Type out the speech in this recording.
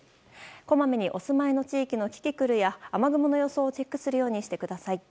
こまめにお住まいの地域のキキクルや雨雲の予想をチェックするようにしてください。